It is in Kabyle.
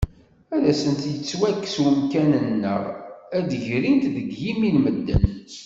Ad asen-yettwakkes umkan neɣ ad d-ggrin deg yimi n medden.